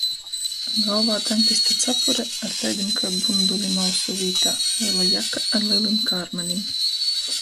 Golvā tankista capure ar taidim kai bundulim ausu vītā, lela jaka ar lelim kārmanim.